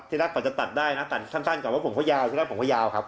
ทีละก่อนจะตัดได้นะตัดสั้นก่อนว่าผมเขายาวทีละก่อนผมเขายาวครับ